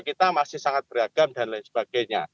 kita masih sangat beragam dan lain sebagainya